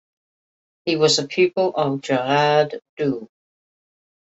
He was a pupil of Gerard Dou.